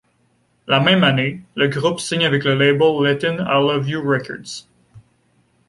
La même année, le groupe signe avec le label letton I Love You Records.